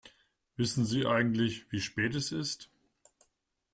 Wissen Sie eigentlich, wie spät es ist?